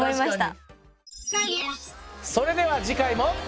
それでは次回も。